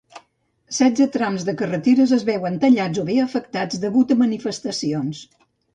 Setze trams de carreteres es veuen tallats o bé afectats degut a manifestacions.